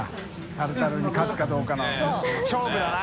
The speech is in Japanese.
タルタルに勝つかどうかの勝負だな！